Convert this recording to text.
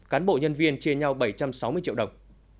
cán bộ nhân viên chia nhau bảy trăm sáu mươi triệu đồng